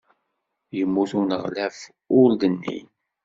Yemmut uneɣlaf ur d-nnin.